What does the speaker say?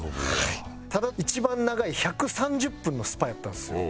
ただ一番長い１３０分のスパやったんですよ。